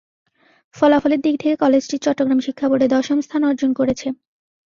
ফলাফলের দিক থেকে কলেজটি চট্টগ্রাম শিক্ষা বোর্ডে দশম স্থান অর্জন করেছে।